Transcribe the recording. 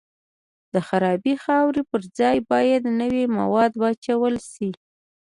د خرابې خاورې پر ځای باید نوي مواد واچول شي